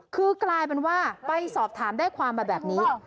คือกลายเป็นว่าไปสอบถามได้ความมาแบบนี้